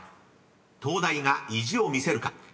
［東大が意地を見せるか？］